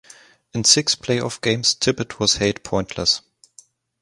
In six playoff games, Tippett was held pointless.